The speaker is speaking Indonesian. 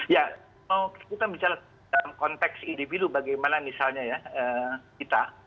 ya kita bicara dalam konteks individu bagaimana misalnya ya kita